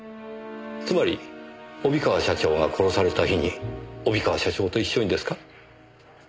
つまり帯川社長が殺された日に帯川社長と一緒にですか？